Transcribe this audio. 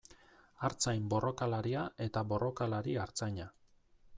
Artzain borrokalaria eta borrokalari artzaina.